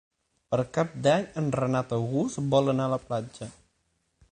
Per Cap d'Any en Renat August vol anar a la platja.